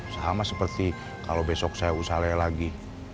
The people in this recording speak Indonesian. sama seperti kalau besok saya usahanya lagi